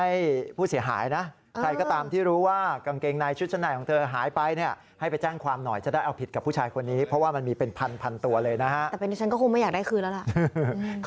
อีกที่หนึ่งที่ไหนรัก